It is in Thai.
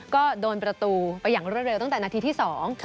ก็โดนประตูไปอย่างรวดเร็วตั้งแต่นาทีที่สอง